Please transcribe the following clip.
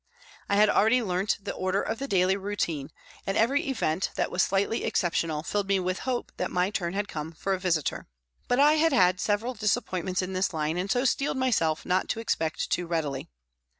I had already learnt the order of the daily routine, and every event that was slightly exceptional filled me with hope that my turn had come for a " visitor," but I had had several disappointments in this line and so steeled myself not to expect too readily.